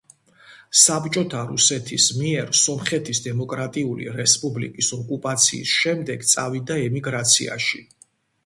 საბჭოთა რუსეთის მიერ სომხეთის დემოკრატიული რესპუბლიკის ოკუპაციის შემდეგ წავიდა ემიგრაციაში.